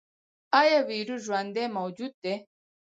ایا ویروس ژوندی موجود دی؟